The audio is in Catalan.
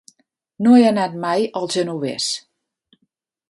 No he anat mai al Genovés.